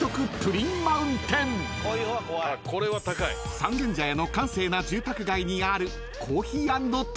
［三軒茶屋の閑静な住宅街にある］